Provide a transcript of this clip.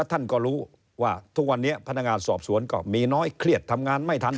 ท่านก็รู้ว่าทุกวันนี้พนักงานสอบสวนก็มีน้อยเครียดทำงานไม่ทัน